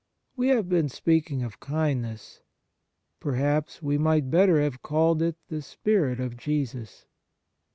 We have been speak ing of kindness. Perhaps we might better have called it the spirit of Jesus.